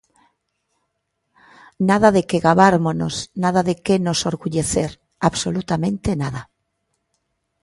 Nada de que gabármonos, nada de que nos orgullecer, absolutamente nada